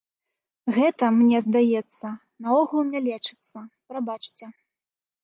Гэта, мне здаецца, наогул не лечыцца, прабачце.